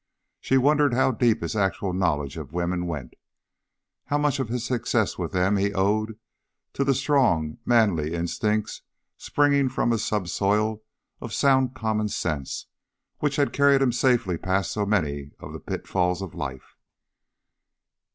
She wondered how deep his actual knowledge of women went, how much of his success with them he owed to the strong manly instincts springing from a subsoil of sound common sense which had carried him safely past so many of the pitfalls of life.